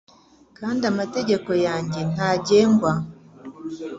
kandi amategeko yanjye ntagengwa